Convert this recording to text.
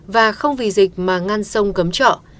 và không vì dịch mà ngăn sông cấm trợ